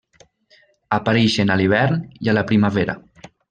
Apareixen a l'hivern i a la primavera.